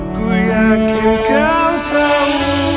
aku yakin kau tahu